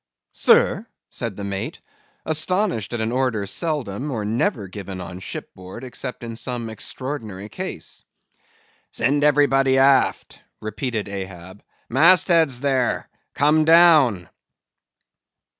"Sir!" said the mate, astonished at an order seldom or never given on ship board except in some extraordinary case. "Send everybody aft," repeated Ahab. "Mast heads, there! come down!"